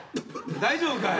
大丈夫かい。